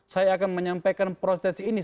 saya akan menyampaikan proses ini